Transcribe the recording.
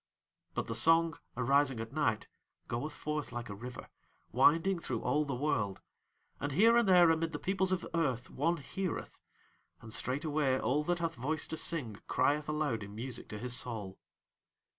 But the song, arising at night, goeth forth like a river, winding through all the world, and here and there amid the peoples of earth one heareth, and straightaway all that hath voice to sing crieth aloud in music to his soul.